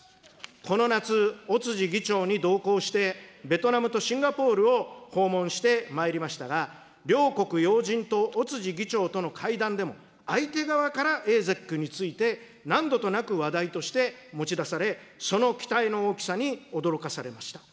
この夏、尾辻議長に同行して、ベトナムとシンガポールを訪問してまいりましたが、両国要人と尾辻議長との会談でも、相手側からＡＺＥＣについて、何度となく話題として持ち出され、その期待の大きさに驚かされました。